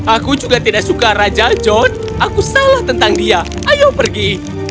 aku juga tidak suka raja john aku salah tentang dia ayo pergi